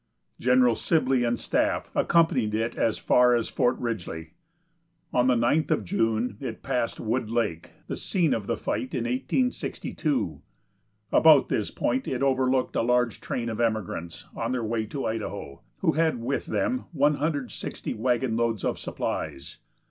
General Sibley and staff accompanied it as far as Fort Ridgely. On the 9th of June it passed Wood Lake, the scene of the fight in 1862. About this point it overtook a large train of emigrants on their way to Idaho, who had with them 160 wagon loads of supplies.